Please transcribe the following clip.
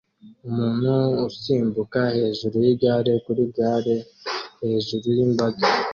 Umuntu usimbuka hejuru yigare kuri gare hejuru yimbaga